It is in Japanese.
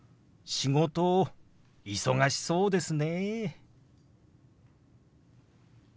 「仕事忙しそうですね」。